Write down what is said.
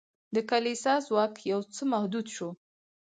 د کلیسا ځواک یو څه محدود شو.